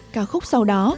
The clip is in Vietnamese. cào khúc sau đó